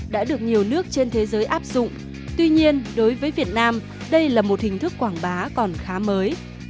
đã được nhiều nước trên thế giới áp dụng tuy nhiên đối với việt nam đây là một hình thức quảng bá còn khá mới